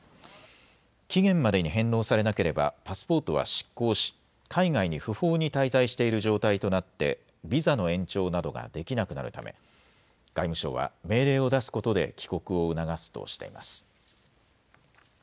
期限までに返納されなければパスポートは失効し、海外に不法に滞在している状態となって、ビザの延長などができなくなるため、外務省は命令を出すことで、帰国を促すとしています。